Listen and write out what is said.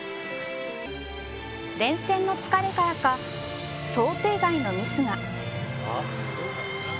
連戦の疲れからか想定外のミスが。